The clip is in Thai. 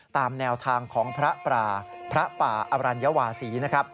ตามแนวทางของพระประพระป่าอรัญวาศี